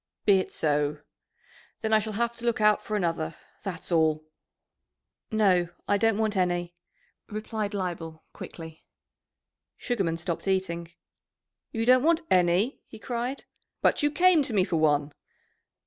"Be it so! Then I shall have to look out for another, that's all." "No, I don't want any," replied Leibel quickly. Sugarman stopped eating. "You don't want any?" he cried. "But you came to me for one?"